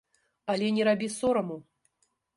Але не рабі сораму.